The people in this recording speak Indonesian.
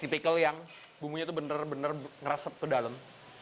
tipikal yang bumbunya itu bener bener ngerasep ke dalam